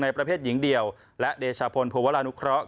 ประเภทหญิงเดี่ยวและเดชาพลภวรานุเคราะห